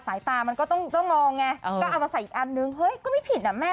สายตามันก็ต้องมองไงก็เอามาใส่อีกอันนึงเฮ้ยก็ไม่ผิดอ่ะแม่